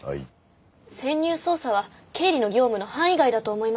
潜入捜査は経理の業務の範囲外だと思います。